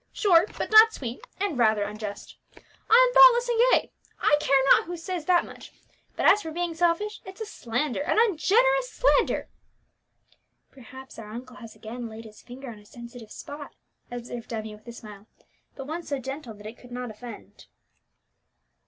_ Short but not sweet, and rather unjust. I am thoughtless and gay, I care not who says that much; but as for being selfish, it's a slander, an ungenerous slander!" "Perhaps our uncle has again laid his finger on a sensitive spot," observed Emmie with a smile, but one so gentle that it could not offend.